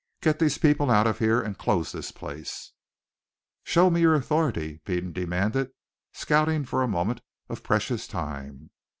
"Get these people out of here, and close this place." "Show me your authority!" Peden demanded, scouting for a moment of precious time.